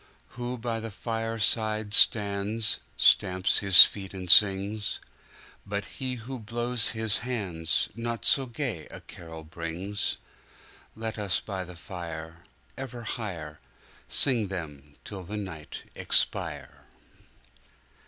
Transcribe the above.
Who by the fireside stands Stamps his feet and sings; But he who blows his handsNot so gay a carol brings, Let us by the fire Ever higherSing them till the night expire!